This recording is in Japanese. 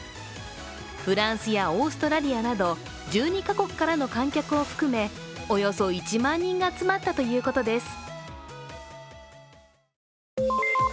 フランスやオーストラリアなど１２カ国からの観客を含めおよそ１万人が集まったということです。